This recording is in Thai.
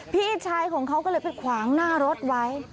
พี่ชายของเขาก็เลยไปขวางหน้ารถไว้